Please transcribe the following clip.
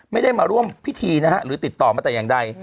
ไม่ได้มาร่วมพิธีนะฮะหรือติดต่อมาแต่อย่างใด